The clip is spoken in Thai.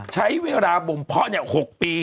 ใช้เวลาบ่มเพาะเนี่ย๖ปี